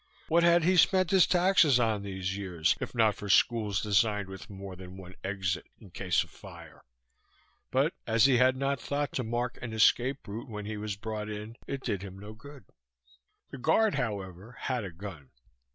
What had he spent his taxes on these years, if not for schools designed with more than one exit in case of fire? But as he had not thought to mark an escape route when he was brought in, it did him no good. The guard, however, had a gun.